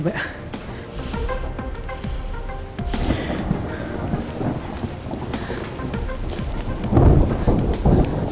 gimana aku bisa ke kafe kenang angat coba